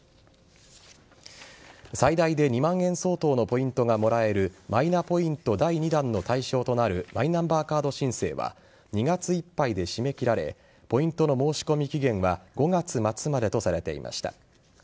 最大で２万円相当のポイントがもらえるマイナポイント第２弾の対象となるマイナンバーカード申請は２月いっぱいで締め切られポイントの申し込み期限は５月末までとされていました。